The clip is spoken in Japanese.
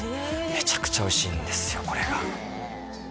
めちゃくちゃおいしいんですよ